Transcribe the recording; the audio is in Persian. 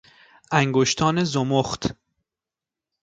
انگشتان زمخت